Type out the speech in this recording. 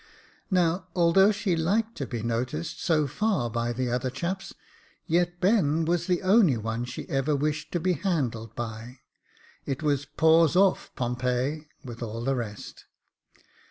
Now, although she liked to be noticed so far by the other chaps, yet Ben was the only one she ever wished to be handled by ; it was ' Paws off, Pompey !' with all the rest.